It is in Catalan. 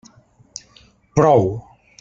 Prou!